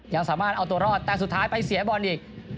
ยังสามารถเอาตัวรอดแต่สุดท้ายไปเสียบอลอีก